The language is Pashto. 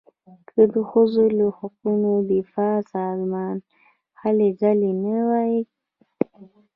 که د ښځو له حقونو دفاع سازمان هلې ځلې نه وای.